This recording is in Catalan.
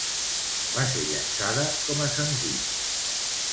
Va ser llançada com a senzill.